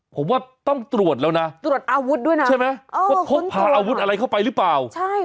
ผมว่าต้องตรวจแล้วนะใช่ไหมว่าค้นตรวจหาอาวุธอะไรเข้าไปรึเปล่า